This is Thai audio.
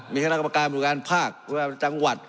มีแผนการโครงการบุตรการภาคจังหวัด